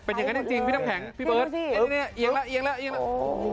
เป็นอย่างนั้นจริงพี่น้ำแผงพี่เบิร์ตเอียงแล้ว